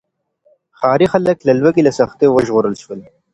ښاري خلک د لوږې له سختیو وژغورل شول.